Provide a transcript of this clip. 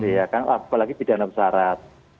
iya kan apalagi pidana besarat